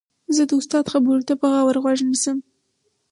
زه د استاد خبرو ته په غور غوږ ږدم.